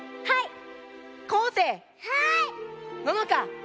はい！